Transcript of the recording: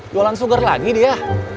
jualan sugar lagi dia